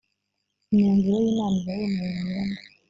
imyanzuro y inama iba yemewe burundu